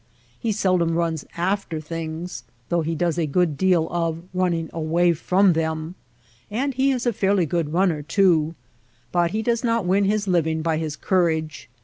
He seldom runs after things, though he does a good deal of running away from them. And he is a fairly good runner too. DESERT ANIMALS 159 But he does not win his living by his courage.